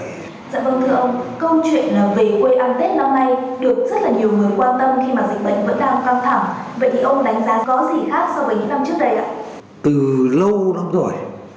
vậy thì ông đánh giá có gì khác so với những năm trước đây ạ